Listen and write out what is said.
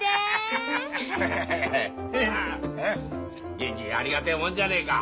銀次ありがてえもんじゃねえか。